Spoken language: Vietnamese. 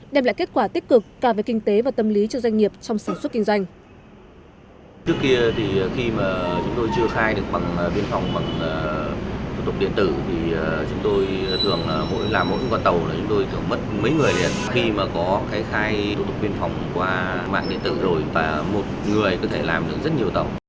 đem lại kết quả tích cực cả về kinh tế và tâm lý cho doanh nghiệp trong sản xuất kinh doanh